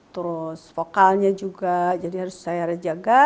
terus vokalnya juga jadi harus saya jaga